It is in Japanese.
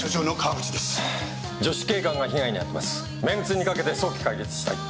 面子にかけて早期解決したい。